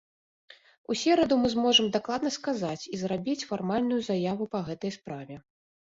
У сераду мы зможам дакладна сказаць і зрабіць фармальную заяву па гэтай справе.